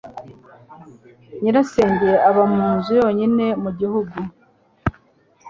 Nyirasenge aba mu nzu yonyine mu gihugu.